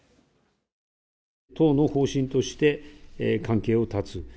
党の方針として、関係を断つ。